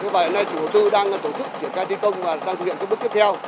và hiện nay chủ đầu tư đang tổ chức triển khai thi công và đang thực hiện các bước tiếp theo